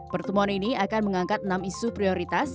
pertemuan ini akan mengangkat enam isu prioritas